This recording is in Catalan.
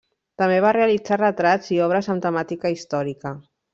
També va realitzar retrats i obres amb temàtica històrica.